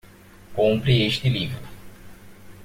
Compre este livro